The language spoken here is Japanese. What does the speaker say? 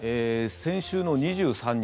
先週の２３日